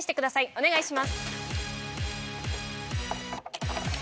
お願いします。